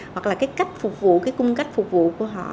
hoặc là cách phục vụ cung cách phục vụ của họ